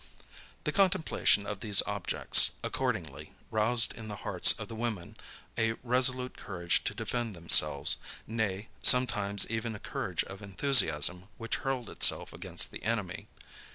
The contemplation of these objects, accordingly, roused in the hearts of the women a resolute courage to defend themselves; nay, sometimes even a courage of enthusiasm, which hurled itself against the enemy.